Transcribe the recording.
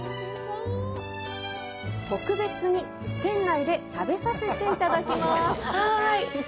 特別に店内で食べさせていただきます。